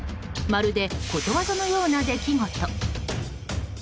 まるでことわざのような出来事。